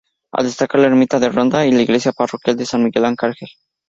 A destacar la ermita de Ronda y la iglesia parroquial de San Miguel Arcángel.